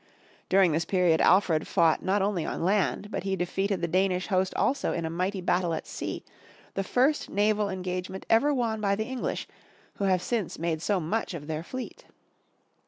During this period Alfred fought not only on land, but he defeated the Danish host also in a mighty battle at sea, the first naval engagement ever won by the English, who have since made so much of their fleet.